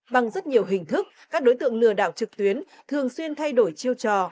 bằng rất nhiều hình thức các đối tượng lừa đảo trực tuyến thường xuyên thay đổi chiêu trò